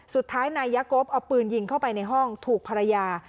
สุดท้ายนายยกบเอาปืนยิงเข้าไปในห้องถูกภรรยา